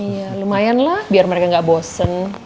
iya lumayanlah biar mereka gak bosen